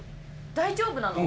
大丈夫なの？